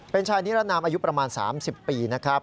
เป็นชายนิรนามอายุประมาณ๓๐ปีนะครับ